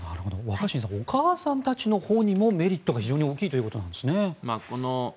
若新さんお母さんたちのほうにもメリットが非常に大きいということなんですね。